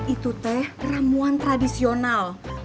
itu teh ramuan tradisional